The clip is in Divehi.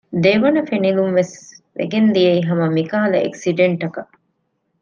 ދެވަނަ ފެނިލުންވެސް ވެގެން ދިޔައީ ހަމަ މިކަހަލަ އެކްސިޑެންޓަކަށް